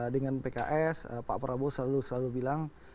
dengan pks pak prabowo selalu selalu bilang